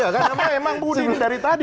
karena memang budi ini dari tadi